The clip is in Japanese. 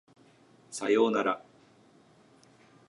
左様なら